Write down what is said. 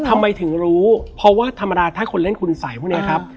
ทำไมถึงรู้เพราะว่าธรรมดาถ้าคนเล่นคุณสัยพวกนี้ครับ